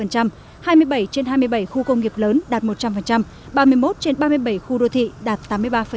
hai mươi bảy trên hai mươi bảy khu công nghiệp lớn đạt một trăm linh ba mươi một trên ba mươi bảy khu đô thị đạt tám mươi ba